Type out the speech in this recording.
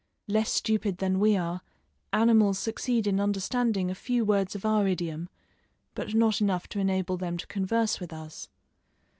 Less stupid than we are, animals succeed in understanding a few words of our idiom, but not enough to enable them to converse with us.